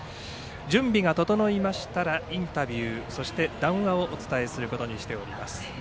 準備が整いましたらインタビューそして談話をお伝えすることにしています。